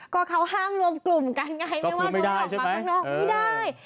ก็เขาห้ามรวมกลุ่มกันไงไม่ว่าจะออกมาข้างนอกไม่ได้